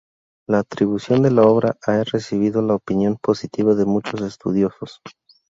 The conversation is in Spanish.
La atribución de la obra ha recibido la opinión positiva de muchos estudiosos.